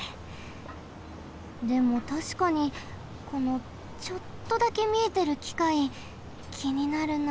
でもたしかにこのちょっとだけみえてるきかいきになるな。